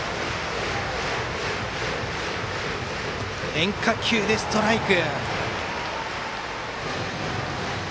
変化球でストライク。